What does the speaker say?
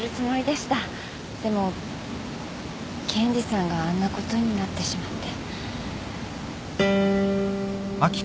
でも健治さんがあんなことになってしまって。